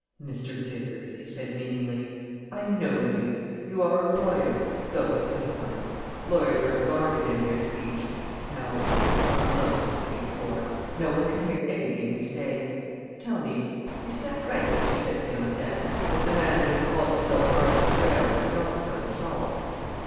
"Mr. Vickers," he said meaningly, "I know you! You are a lawyer though a young one. Lawyers are guarded in their speech. Now we are alone we four. No one can hear anything we say. Tell me is that right what you said to me on deck, that the man who has called himself Marston Greyle is not so at all?"